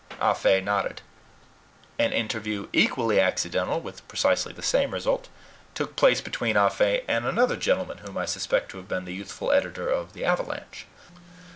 Ah Fe nodded. An interview equally accidental, with precisely the same result, took place between Ah Fe and another gentleman, whom I suspect to have been the youthful editor of the AVALANCHE.